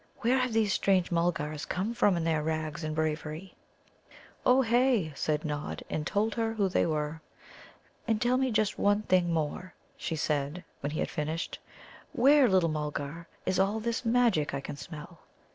"Where have these strange Mulgars come from in their rags and bravery?" "Ohé," said Nod, and told her who they were. "And tell me just one thing more," she said, when he had finished. "Where, little Mulgar, is all this Magic I can smell?"